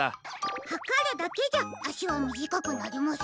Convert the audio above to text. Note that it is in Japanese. はかるだけじゃあしはみじかくなりません。